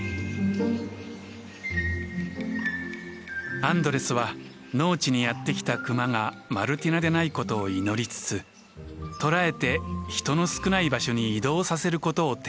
アンドレスは農地にやって来たクマがマルティナでないことを祈りつつ捕らえて人の少ない場所に移動させることを提案しました。